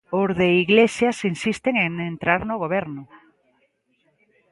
Os de Iglesias insisten en entrar no Goberno.